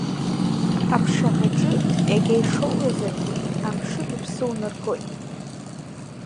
Аԥшаҳәаҿы иага ишоуразаргьы, амшын уԥсы унаргоит.